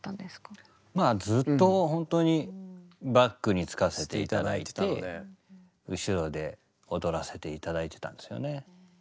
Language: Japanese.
まあずっとほんとにバックにつかせていただいて後ろで踊らせていただいてたんですよね。